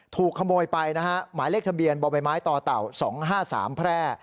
ถูกขโมยไปนะฮะหมายเลขทะเบียนบ่อใบไม้ต่อเต่า๒๕๓แพร่